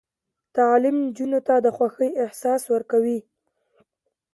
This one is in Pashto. تعلیم نجونو ته د خوښۍ احساس ورکوي.